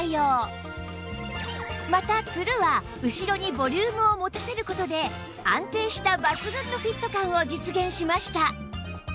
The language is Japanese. またツルは後ろにボリュームを持たせる事で安定した抜群のフィット感を実現しました